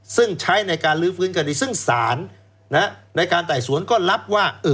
ซึ่งใช้ในการลื้อฟื้นคดีซึ่งศาลในการไต่สวนก็รับว่า